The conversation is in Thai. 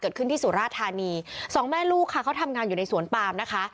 ที่สุราธานีสองแม่ลูกค่ะเขาทำงานอยู่ในสวนปามนะคะ